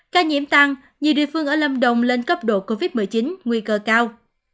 ca nhiễm tăng nhiều địa phương ở lâm đồng lên cấp độ covid một mươi chín nguy cơ cao